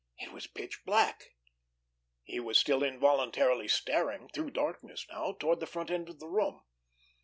It was pitch black. He was still involuntarily staring, through darkness now, toward the front end of the room.